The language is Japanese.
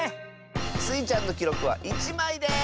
スイちゃんのきろくは１まいです！